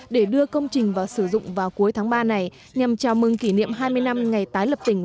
để đưa công trình vào sử dụng vào cuối tháng ba này nhằm chào mừng kỷ niệm hai mươi năm ngày tái lập tỉnh